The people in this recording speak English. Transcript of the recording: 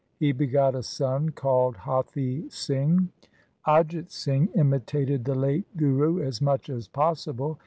He begot a son called Hathi Singh. Ajit Singh imitated the late Guru as much as possible.